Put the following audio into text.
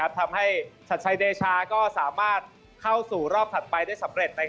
ทำให้ชัดชัยเดชาก็สามารถเข้าสู่รอบถัดไปได้สำเร็จ